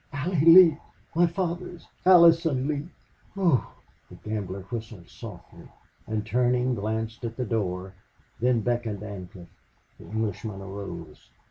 "Allie Lee. My father is Allison Lee." "Whew!" The gambler whistled softly and, turning, glanced at the door, then beckoned Ancliffe. The Englishman arose.